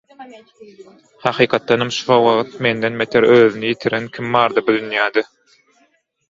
Hakykatdanam şo wagt menden beter özüni ýitiren kim bardy bu dünýede?